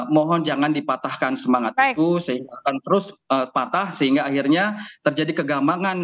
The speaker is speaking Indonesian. mohon jangan dipatahkan semangat itu sehingga akan terus patah sehingga akhirnya terjadi kegambangan